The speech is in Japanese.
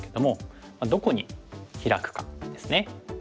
どこにヒラくかですね。